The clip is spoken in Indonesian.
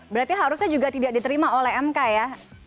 berarti harusnya juga tidak diterima oleh mk ya